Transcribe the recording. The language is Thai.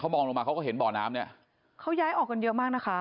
มองลงมาเขาก็เห็นบ่อน้ำเนี้ยเขาย้ายออกกันเยอะมากนะคะ